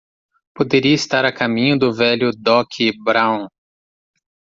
Poderia estar a caminho do velho Doc Brown!